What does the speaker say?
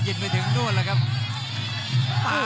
กรรมการเตือนทั้งคู่ครับ๖๖กิโลกรัม